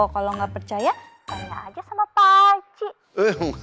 kalau nggak percaya tanya aja sama paci